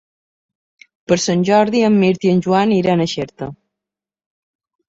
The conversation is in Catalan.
Per Sant Jordi en Mirt i en Joan iran a Xerta.